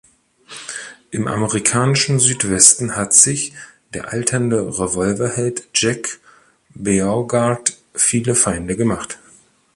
Im amerikanischen Südwesten hat sich der alternde Revolverheld Jack Beauregard viele Feinde gemacht.